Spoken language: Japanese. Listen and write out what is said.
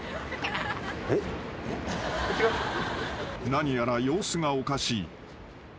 ［何やら様子がおかしい］